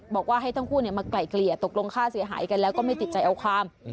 บอกว่าให้ทั้งคู่มาไกล่เกลี่ยตกลงค่าเสียหายกันแล้วก็ไม่ติดใจเอาความ